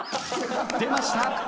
出ました。